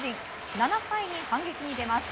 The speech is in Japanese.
７回に反撃に出ます。